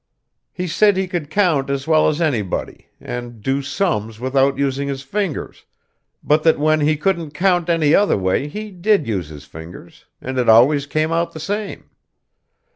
He said he could count as well as anybody, and do sums without using his fingers, but that when he couldn't count any other way he did use his fingers, and it always came out the same.